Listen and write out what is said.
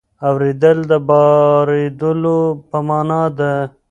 اورېدل د بارېدلو په مانا ده.